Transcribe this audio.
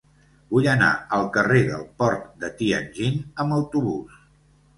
Vull anar al carrer del Port de Tianjin amb autobús.